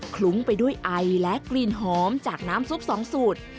ลุ้งไปด้วยไอและกลิ่นหอมจากน้ำซุป๒สูตร